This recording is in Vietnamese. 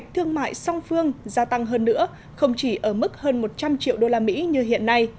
thương mại song phương gia tăng hơn nữa không chỉ ở mức hơn một trăm linh triệu usd như hiện nay